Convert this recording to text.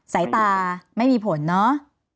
ใส่ตาไม่มีผลนะ